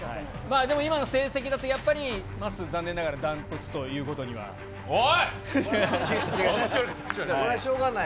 でも今の成績だと、やっぱり、まっすー、残念ながら断トツといおい！